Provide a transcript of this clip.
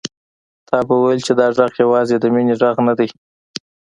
تا به ويل چې دا غږ يوازې د مينې غږ نه دی.